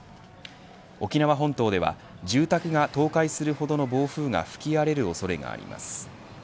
沖縄本島では住宅が倒壊するほどの暴風が吹き荒れる恐れがあります。